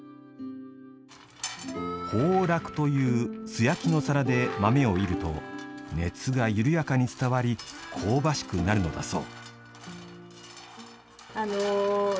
炮烙という素焼きの皿で豆を煎ると熱が、ゆるやかに伝わり香ばしくなるのだそう。